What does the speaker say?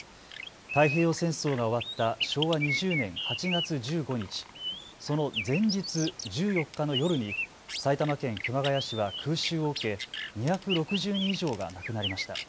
太平洋戦争が終わった昭和２０年８月１５日、その前日１４日の夜に埼玉県熊谷市は空襲を受け２６０人以上が亡くなりました。